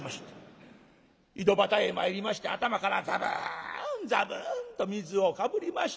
井戸端へ参りまして頭からザブンザブンと水をかぶりまして。